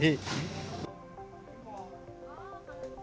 dikutip dari pbi